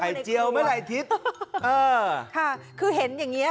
เจียวเมื่อไหร่ทิศเออค่ะคือเห็นอย่างเงี้